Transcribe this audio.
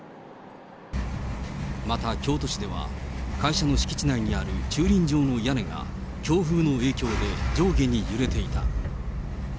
また京都市では、会社の敷地内にある駐輪場の屋根が、強風の影響で上下に揺れていた。